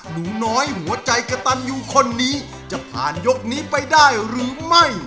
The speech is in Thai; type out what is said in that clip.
หนูน้อยหัวใจกระตันยูคนนี้จะผ่านยกนี้ไปได้หรือไม่